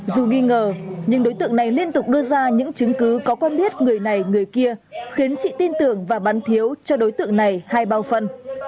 dù nghi ngờ nhưng đối tượng này liên tục đưa ra những chứng cứ có quen biết người này người kia khiến chị tin tưởng và bán thiếu cho đối tượng này hai bao phân